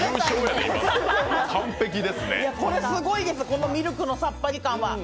これすごいです、ミルクのさっぱり感は。